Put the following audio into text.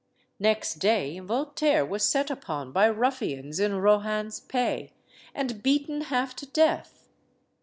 Next day Voltaire was set upon by ruffians in Rohan's pay, and beaten half to death.